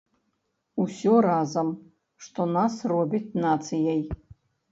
Усё разам, што нас робіць нацыяй.